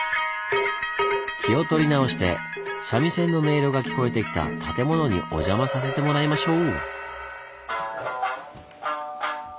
気を取り直して三味線の音色が聞こえてきた建物にお邪魔させてもらいましょう！